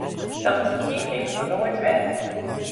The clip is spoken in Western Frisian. Dat is ien kear mar noait wer!